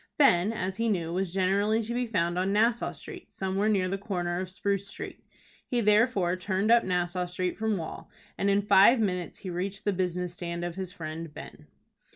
Ben, as he knew, was generally to be found on Nassau Street, somewhere near the corner of Spruce Street. He therefore turned up Nassau Street from Wall, and in five minutes he reached the business stand of his friend Ben.